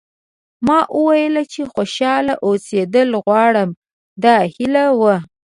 ما وویل چې خوشاله اوسېدل غواړم دا هیله وه.